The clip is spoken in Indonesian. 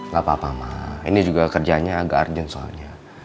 gak apa apa ini juga kerjanya agak urgent soalnya